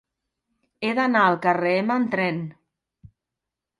He d'anar al carrer Ema amb tren.